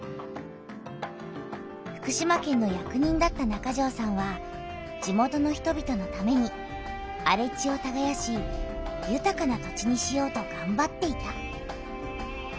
福島県の役人だった中條さんは地元の人びとのためにあれ地をたがやしゆたかな土地にしようとがんばっていた。